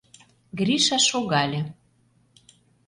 Гриша шогале.